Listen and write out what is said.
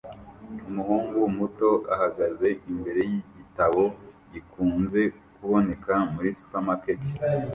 Umuhungu muto ahagaze imbere yigitabo gikunze kuboneka muri supermarkets